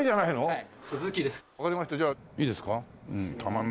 はい。